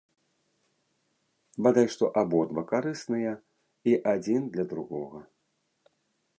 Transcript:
Бадай што абодва карысныя і адзін для другога.